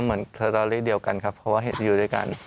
เหมือนสตอรี่เดียวกันครับเพราะว่าอยู่ด้วยกัน